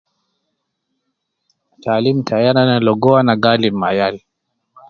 Taalim tai al ana logo ana galim me yal